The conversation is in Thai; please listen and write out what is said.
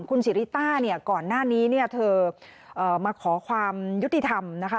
คุณสิริต้าเนี่ยก่อนหน้านี้เนี่ยเธอมาขอความยุติธรรมนะคะ